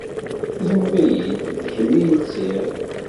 Ẓmeḍ-iyi d kemm i lsiɣ.